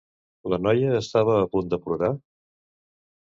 La noia estava a punt de plorar?